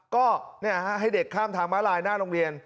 ก็ให้เด็กข้ามทางม้าลายหน้าโรงเรียน